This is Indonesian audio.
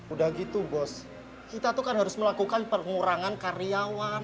udah gitu bos kita tuh kan harus melakukan pengurangan karyawan